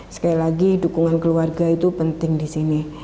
sekali lagi dukungan keluarga itu penting di sini